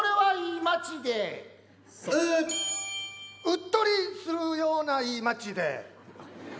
うっとりするようないい街で。